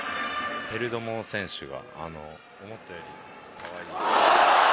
ペルドモ選手が思ったより可愛い。